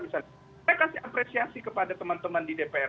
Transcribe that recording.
saya kasih apresiasi kepada teman teman di dpr